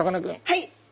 はい。